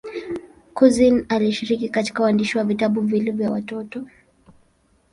Couzyn alishiriki katika uandishi wa vitabu viwili vya watoto.